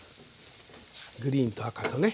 グリーンと赤とね。